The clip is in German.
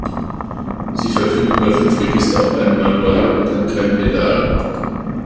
Sie verfügt über fünf Register auf einem Manual und hat kein Pedal.